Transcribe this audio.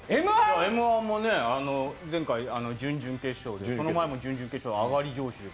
「Ｍ−１」もね、前回準決勝でその前も準々決勝で、絶好調です。